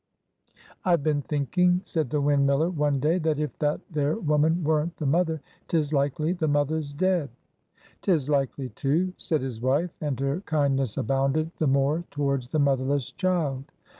"I've been thinking," said the windmiller, one day, "that if that there woman weren't the mother, 'tis likely the mother's dead." "'Tis likely, too," said his wife; and her kindness abounded the more towards the motherless child.